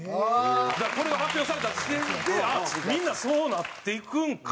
だからこれが発表された時点でああみんなそうなっていくんかな。